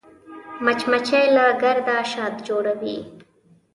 مچمچۍ له ګرده شات جوړوي